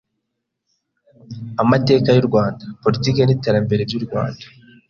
Amateka y’u Rwanda; Politike n’iterambere by’u Rwanda;